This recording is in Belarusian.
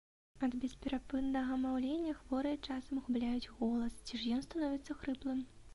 Ад бесперапыннага маўлення хворыя часам губляюць голас, ці ж ён становіцца хрыплым.